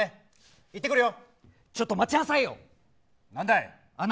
行ってくるよ。